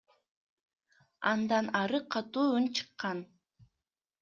Андан ары катуу үн чыккан.